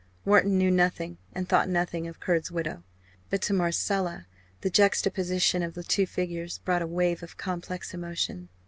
Wharton knew nothing and thought nothing of Kurd's widow, but to Marcella the juxtaposition of the two figures brought a wave of complex emotion.